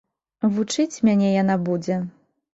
Вучыць мяне яна будзе!